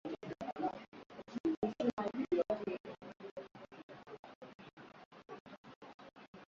na mila ya kitaifa baada ya kutembelea nyumba